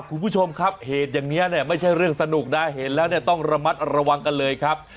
คุณผู้ชมครับเหตุอย่างนี้เนี่ยไม่ใช่เรื่องสนุกนะเห็นแล้วเนี่ยต้องระมัดระวังกันเลยครับ